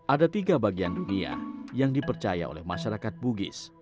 ada tiga bagian dunia yang dipercaya oleh masyarakat bugis